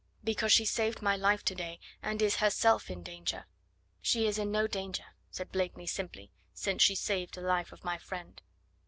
"Because she saved my life to day, and is herself in danger." "She is in no danger," said Blakeney simply, "since she saved the life of my friend."